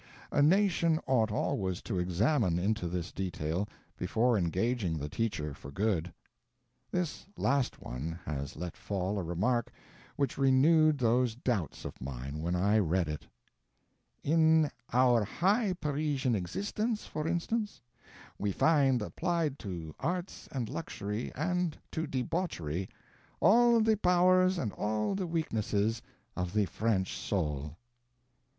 A nation ought always to examine into this detail before engaging the teacher for good. This last one has let fall a remark which renewed those doubts of mine when I read it: "In our high Parisian existence, for instance, we find applied to arts and luxury, and to debauchery, all the powers and all the weaknesses of the French soul."